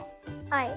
はい。